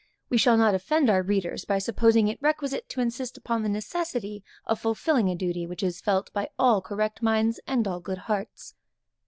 We shall not offend our readers by supposing it requisite to insist upon the necessity of fulfilling a duty which is felt by all correct minds and all good hearts.